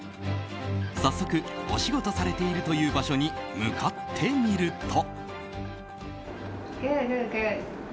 早速、お仕事されているという場所に向かってみると。